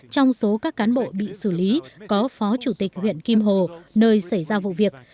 trong số các cán bộ bị xử lý có phó chủ tịch huyện kim hồ nơi xảy ra vụ việc